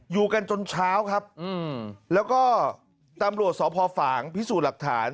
อยู่กันจนเช้าครับแล้วก็ตำรวจสพฝางพิสูจน์หลักฐาน